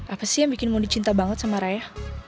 apa sih yang bikin mondi cinta banget sama raya